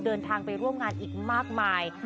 เดินทางไปร่วมงานอีกมากมาย